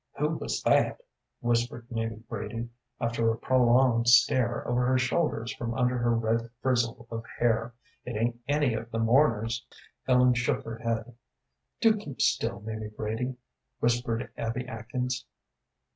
"Who was that?" whispered Mamie Brady, after a prolonged stare over her shoulders from under her red frizzle of hair. "It ain't any of the mourners." Ellen shook her head. "Do keep still, Mamie Brady," whispered Abby Atkins.